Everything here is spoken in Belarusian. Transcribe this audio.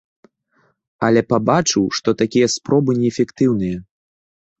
Але пабачыў, што такія спробы неэфектыўныя.